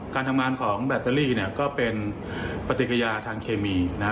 การทำงานของแบตเตอรี่เนี่ยก็เป็นปฏิกิริยาทางเคมีนะ